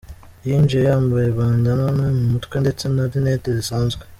Yinjiye yambaye Bandanana mu mutwe ndetse na Lunette zisanzwe.